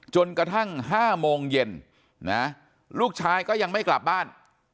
จนกระทั่ง๕โมงเย็นนะลูกชายก็ยังไม่กลับบ้าน